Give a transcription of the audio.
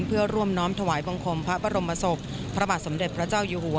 เพื่อร่วมน้อมถวายบังคมพระบรมศพพระบาทสมเด็จพระเจ้าอยู่หัว